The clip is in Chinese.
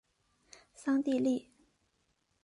桑蒂利。